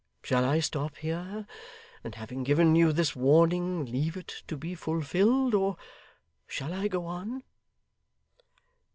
Shall I stop here, and having given you this warning, leave it to be fulfilled; or shall I go on?